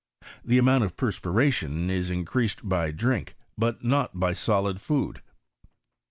2. Tiie amount of perspiration is increased by drink, but not by solid food.